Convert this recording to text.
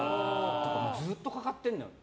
ずっとかかってるのよ。